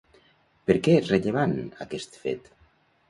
Per què és rellevant aquest fet?